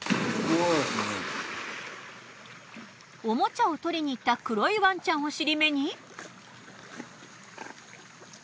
おもちゃを取りにいった黒いワンちゃんを尻目に。